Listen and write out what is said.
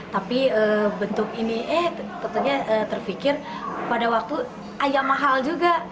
tapi bentuk ini eh tentunya terfikir pada waktu ayam mahal juga